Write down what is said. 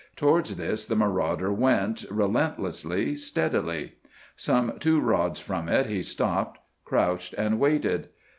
Towards this the marauder went, relentlessly, steadily. Some two rods from it he stopped, crouched, and waited.